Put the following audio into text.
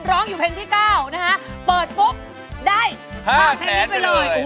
ร้องอยู่เพลงที่๙นะฮะเปิดปุ๊บได้ผ่านเพลงนี้ไปเลย